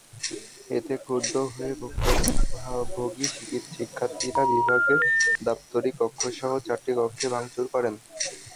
এতে ক্ষুব্ধ হয়ে ভুক্তভোগী শিক্ষার্থীরা বিভাগের দাপ্তরিক কক্ষসহ চারটি কক্ষে ভাঙচুর করেন।